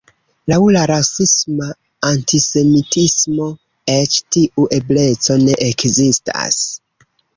Laŭ la rasisma antisemitismo, eĉ tiu ebleco ne ekzistas.